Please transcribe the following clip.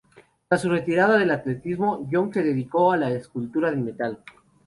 Tras su retirada del atletismo, Young se dedicó a la escultura en metal.